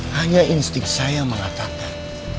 hanya instik saya mengatakan